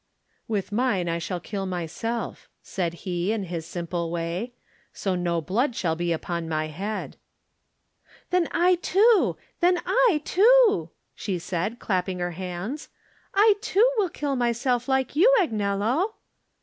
"With mine I shall kill myself," said he, in his simple way, "so no blood shall be upon my head." "Then I, too. Then I, too!" she said, clapping her hands. "I, too, will kill my self like you, Agnello!"